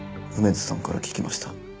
梅津さんから聞きました。